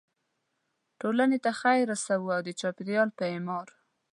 ټولنې ته خیر ورسوو او د چاپیریال په اعمار.